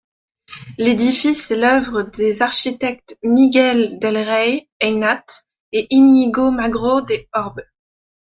L'édifice est l'œuvre des architectes Miguel del Rey Aynat et Íñigo Magro de Orbe.